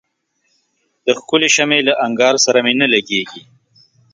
د ښکلي شمعي له انګار سره مي نه لګیږي